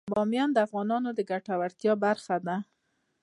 بامیان د افغانانو د ګټورتیا برخه ده.